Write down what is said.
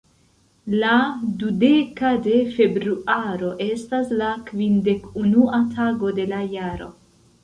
La dudeka de Februaro estas la kvindek-unua tago de la jaro.